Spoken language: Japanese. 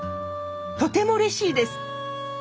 とてもうれしいです。